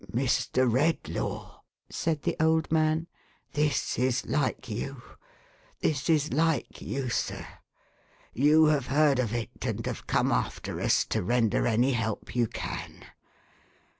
" Mr. Redlaw," said the old man, " this is like you, this is like you, sir ! you have heard of it, and have come after us to render any help you can.